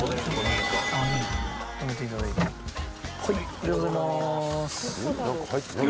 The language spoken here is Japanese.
ありがとうございます。